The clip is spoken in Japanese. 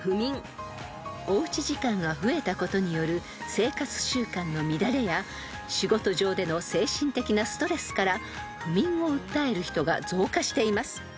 ［おうち時間が増えたことによる生活習慣の乱れや仕事上での精神的なストレスから不眠を訴える人が増加しています］